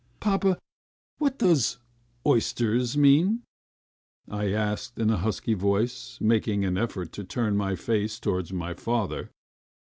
"Papa, what does 'oysters' mean?" I asked in a husky voice, making an effort to turn my face towards my father.